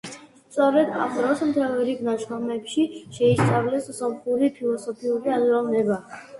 სწორედ ამ დროს, მთელ რიგ ნაშრომებში შეისწავლეს სომხური ფილოსოფიური აზროვნება.